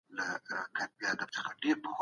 ملتونه څنګه د کارګرانو ساتنه کوي؟